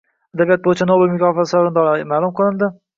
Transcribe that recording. Adabiyot bo‘yicha Nobel mukofoti sovrindori ma’lum bo‘ldi